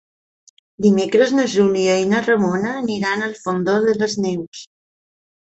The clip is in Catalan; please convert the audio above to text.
Dimecres na Júlia i na Ramona aniran al Fondó de les Neus.